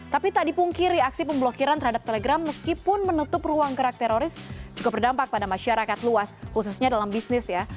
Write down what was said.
tapi tak dipungkiri aksi pemblokiran terhadap telegram meskipun menutup ruang gerak teroris juga berdampak pada masyarakat luas khususnya dalam bisnis ya